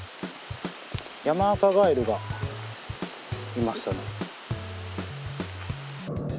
ヤマアカガエルがいましたね。